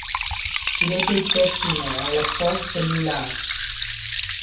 Il était destiné à la fonte de moulage.